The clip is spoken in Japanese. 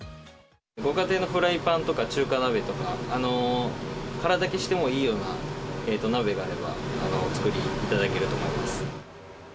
ご家庭のフライパンとか中華鍋とか、空だきしてもいいような鍋があれば、お作りいただけると思います。